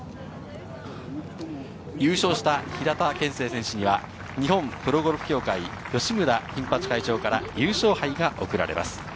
優勝した平田憲聖選手には、日本プロゴルフ協会、吉村金八会長から優勝杯が贈られます。